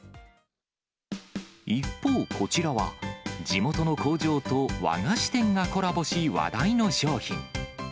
一方、こちらは地元の工場と和菓子店がコラボし、話題の商品。